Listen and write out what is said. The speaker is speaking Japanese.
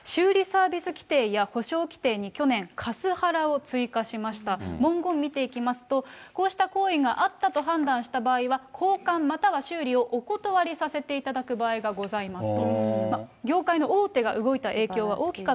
去年、修理規程やサービス規程に追加しました、文言見ていきますと、こうした行為があったと判断した場合は、交換または修理をお断りさせていただく場合がございますと。